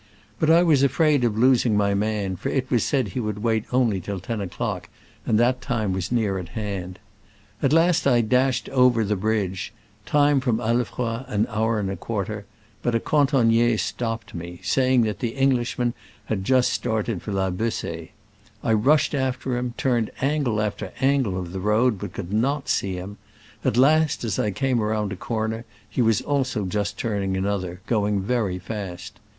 But I was afraid of losing my man, for it was said he would wait only till ten o'clock, and that time was near at hand. At last I dashed over the bridge — time from Alefred an hour and a quarter — but a cantonnier stopped me, saying that the Englishman had just started for La Bess6e. I rushed after him, turned angle after angle of the road, but could not see him : at last, as I came round a corner, he was also just turning another, going very fast.